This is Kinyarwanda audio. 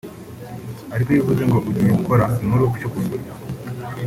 Ariko iyo uvuze ngo ugiye gukora inkuru icukumbuye